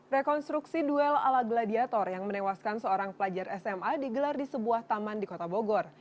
rekonstruksi duel ala gladiator yang menewaskan seorang pelajar sma digelar di sebuah taman di kota bogor